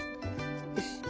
よし。